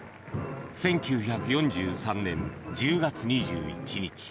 １９４３年１０月２１日